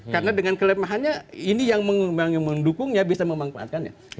karena dengan kelemahannya ini yang mendukungnya bisa memanfaatkan ya